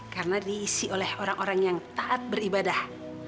karena diisi oleh orang orang yang taat beribadah